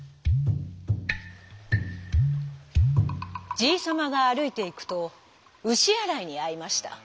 じいさまがあるいていくとうしあらいにあいました。